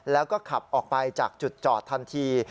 แล้วก็ขับออกไปจากจุดจอดทันที